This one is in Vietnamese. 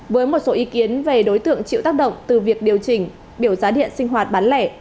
với một số ý kiến về đối tượng chịu tác động từ việc điều chỉnh biểu giá điện sinh hoạt bán lẻ